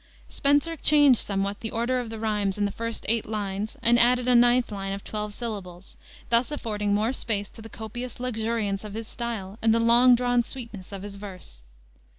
Spenser changed somewhat the order of the rimes in the first eight lines and added a ninth line of twelve syllables, thus affording more space to the copious luxuriance of his style and the long drawn sweetness of his verse.